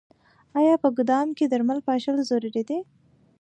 آیا په ګدام کې درمل پاشل ضروري دي؟